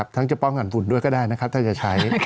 จะป้องกันทุนด้วยก็ได้นะครับถ้าจะใช้